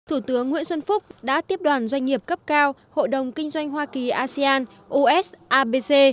thủ tướng nguyễn xuân phúc đã tiếp đoàn doanh nghiệp cấp cao hội đồng kinh doanh hoa kỳ asean usabc